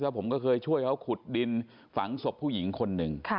ผมก็เคยช่วยเขาขุดดินฝังศพผู้หญิงคนหนึ่ง